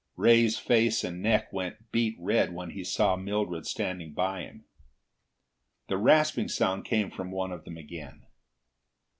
Ray's face and neck went beet red when he saw Mildred standing by him. The rasping sound came from one of them again.